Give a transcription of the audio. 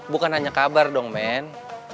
bukan hanya kabar dong man